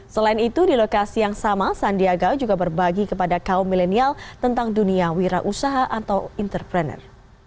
selain itu di lokasi yang sama sandiaga juga berbagi kepada kaum milenial tentang dunia wira usaha atau entrepreneur